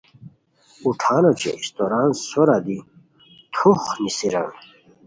اوٹھان اوچے استوران سورار دی تھوخ نیسیران